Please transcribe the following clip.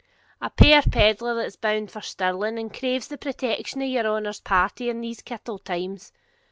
'A puir pedlar, that's bound for Stirling, and craves the protection of your honour's party in these kittle times.